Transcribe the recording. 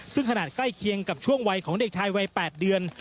ซึ่งขนาดใกล้เคียงกับช่วงวัยของเด็กชายวัย๘เดือน